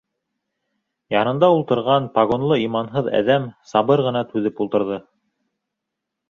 Янында ултырған погонлы иманһыҙ әҙәм сабыр ғына түҙеп ултырҙы.